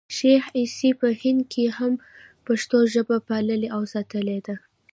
شېخ عیسي په هند کښي هم پښتو ژبه پاللـې او ساتلې ده.